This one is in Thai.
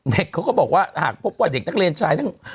เขาก็บอกว่าหากพบว่าเด็กนักเรียนชายทั้ง